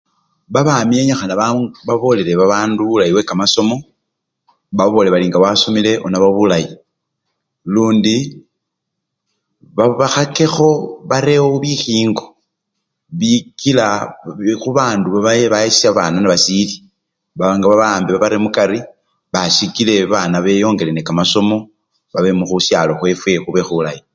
Babami enyikhana babolile babandu bulayi bwe kamasomo, bababolele bali nga wasomele onaba bulayi lundi bakhakekho bareewo bikhingo bikila khuba babandu bayeshesha babana nebasili nga babawambe babare mukari basii sikile babana beyongele ne kamasomo babe mukhusyalo mwefwe khube khulayi